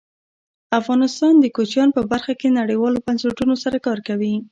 افغانستان د کوچیان په برخه کې نړیوالو بنسټونو سره کار کوي.